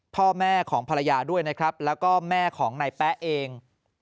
พ่อแม่ของภรรยาด้วยนะครับแล้วก็แม่ของนายแป๊ะเอง